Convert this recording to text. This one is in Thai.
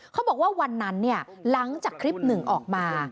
เขาบอกว่าวันนั้นหลังจากคลิป๑ออกมา